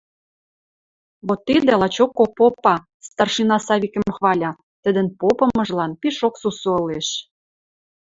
– Вот тидӹ лачокок попа! – старшина Савикӹм хваля, тӹдӹн попымыжылан пишок сусу ылеш.